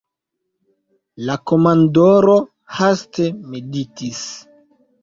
La komandoro haste meditis.